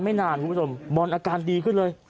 ไม่นานคุณผู้ชมบอลอาการดีขึ้นเลย